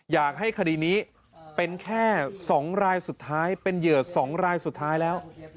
อยากให้คดีนี้เป็นแค่๒รายสุดท้ายเป็นเหยื่อ๒รายสุดท้ายแล้ว